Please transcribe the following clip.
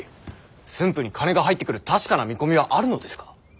駿府に金が入ってくる確かな見込みはあるのですか？